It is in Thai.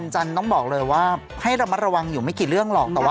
ฉันกันค่ะพี่แจ๊ก